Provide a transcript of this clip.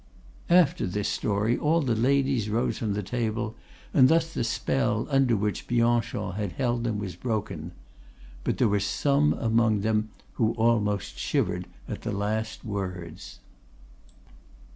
'" After this story all the ladies rose from table, and thus the spell under which Bianchon had held them was broken. But there were some among them who had almost shivered at the last words.